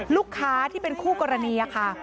ลูกค้าที่เป็นคู่กรณีค่ะ